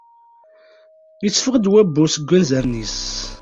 Itteffeɣ-d wabbu seg wanzaren-is.